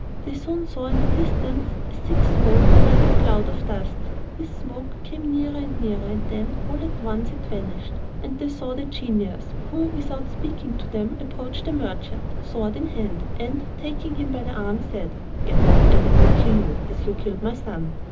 They soon saw in the distance a thick smoke, like a cloud of dust. This smoke came nearer and nearer, and then, all at once, it vanished, and they saw the genius, who, without speaking to them, approached the merchant, sword in hand, and, taking him by the arm, said, "Get up and let me kill you as you killed my son."